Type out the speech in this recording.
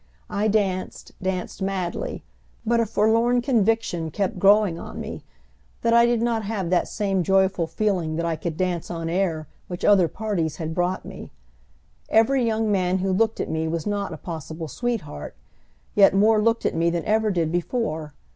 I danced, danced madly; but a forlorn conviction kept growing on me that I did not have that same joyful feeling that I could dance on air which other parties had brought me. Every young man who looked at me was not a possible sweetheart, yet more looked at me than ever did before.